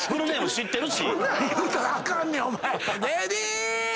そんなん言うたらあかんねん！